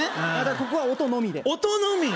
ここは音のみで音のみ？